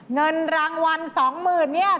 เงินรางวัล๒๐๐๐เนี่ย